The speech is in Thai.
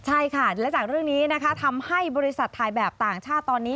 ใช่ค่ะและจากเรื่องนี้นะคะทำให้บริษัทถ่ายแบบต่างชาติตอนนี้